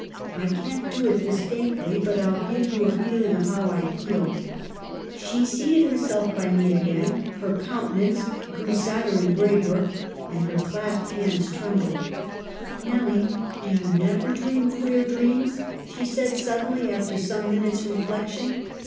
I can't do it distinctly ; but I'll give you a feeling of how I feel.' 246 EMILY BROXTE. " She seated herself by me again ; her coun tenance grew sadder and graver, and her clasped hands trembled. "* Nelly, do you never dream queer dreams ?! she said, suddenly, after some minutes' reflection.